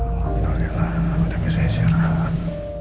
alhamdulillah udah bisa isyarat